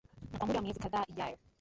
na kwa muda wa miezi kadhaa ijayo